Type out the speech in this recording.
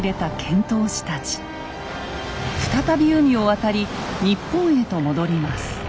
再び海を渡り日本へと戻ります。